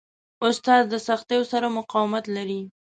استاد د سختیو سره مقاومت لري.